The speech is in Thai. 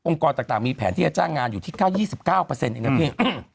องค์กรต่างมีแผนที่จะจ้างงานอยู่ที่เก้า๒๙เปอร์เซ็นต์เองนะพี่